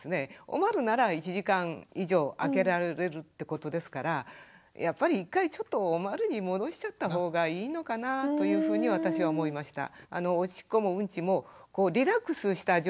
おまるなら１時間以上あけられるってことですからやっぱり一回ちょっとおまるに戻しちゃった方がいいのかなというふうに私は思いました。